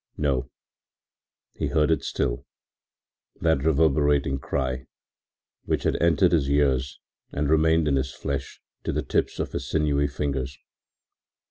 No, he heard it still, that reverberating cry which had entered his ears and remained in his flesh to the tips of his sinewy fingers.